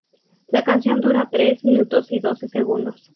La canción dura tres minutos y doce segundos.